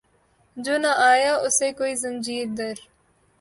جو نہ آیا اسے کوئی زنجیر در